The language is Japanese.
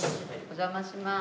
お邪魔します。